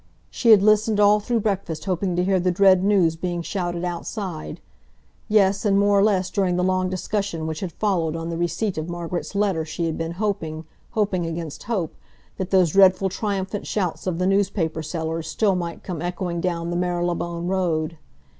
She had listened all through breakfast hoping to hear the dread news being shouted outside; yes, and more or less during the long discussion which had followed on the receipt of Margaret's letter she had been hoping—hoping against hope—that those dreadful triumphant shouts of the newspaper sellers still might come echoing down the Marylebone Road.